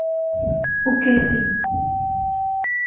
O que sim?